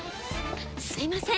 すいません。